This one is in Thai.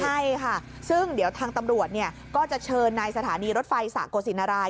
ใช่ค่ะซึ่งเดี๋ยวทางตำรวจก็จะเชิญในสถานีรถไฟสะโกศินาราย